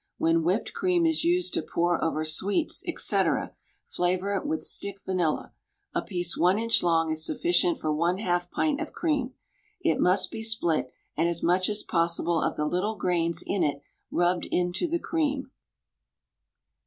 When whipped cream is used to pour over sweets, &c., flavour it with stick vanilla; a piece 1 inch long is sufficient for 1/2 pint of cream; it must be split and as much as possible of the little grains in it rubbed into the cream.